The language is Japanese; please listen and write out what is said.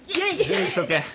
準備しとけ。